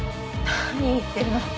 何言ってるの。